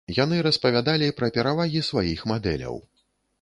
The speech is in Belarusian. Яны распавядалі пра перавагі сваіх мадэляў.